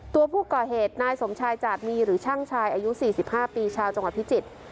ตัวผู้ก่อเหตุนายสมชายจาดมีหรือช่างชายอายุ๔๕ปีชาวจังหวัดพิจิตร